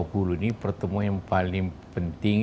maka g dua puluh ini pertemuan yang paling penting